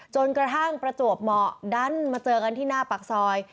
จนกระทั่งประจวบเหมาะดันมาเจอกันที่หน้าปากซอย